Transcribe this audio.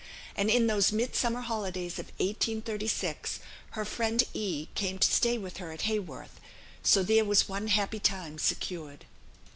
And in those Midsummer holidays of 1836, her friend E. came to stay with her at Haworth, so there was one happy time secured.